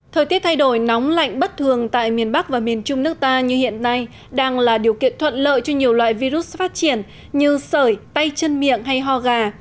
thời tiết thay đổi nóng lạnh bất thường tại miền bắc và miền trung nước ta như hiện nay đang là điều kiện thuận lợi cho nhiều loại virus phát triển như sởi tay chân miệng hay ho gà